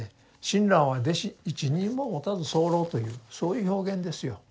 「親鸞は弟子一人ももたずさふらふ」というそういう表現ですよ。